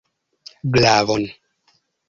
Glavon!